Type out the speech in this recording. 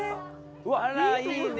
あらいいね。